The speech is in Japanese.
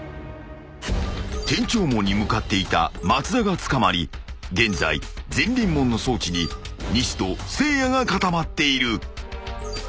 ［天長門に向かっていた松田が捕まり現在善隣門の装置に西とせいやが固まっている］